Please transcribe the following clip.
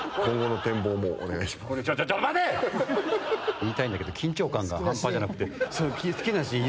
言いたいんだけど緊張感が半端じゃなくて。